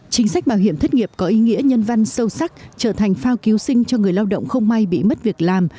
chính sách bảo hiểm thất nghiệp có ý nghĩa nhân văn sâu sắc trở thành phao cứu sinh cho người lao động không may bị mất việc làm